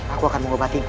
aku akan mengobatimu